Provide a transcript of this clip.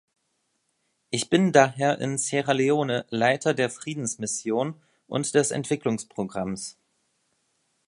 Ich bin daher in Sierra Leone Leiter der Friedensmission und des Entwicklungsprogramms.